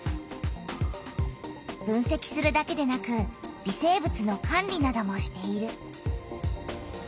分せきするだけでなく微生物の管理などもしている。